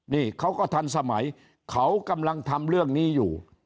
นี่เขาก็ทันสมัยเขากำลังทำเรื่องนี้อยู่